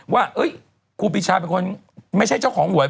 ว่าครูปีชาเป็นคนไม่ใช่เจ้าของหวย